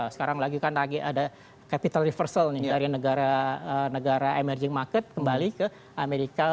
sekarang lagi kan lagi ada capital reversal nih dari negara emerging market kembali ke amerika